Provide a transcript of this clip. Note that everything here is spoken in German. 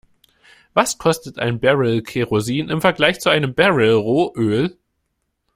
Was kostet ein Barrel Kerosin im Vergleich zu einem Barrel Rohöl?